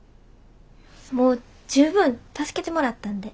もう十分助けてもらったんで。